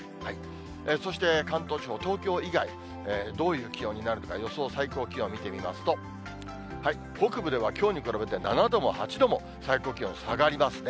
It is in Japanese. そして関東地方、東京以外、どういう気温になるか、予想最高気温見てみますと、北部ではきょうに比べて７度も８度も最高気温下がりますね。